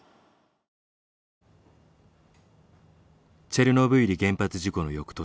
チェルノブイリ原発事故の翌年。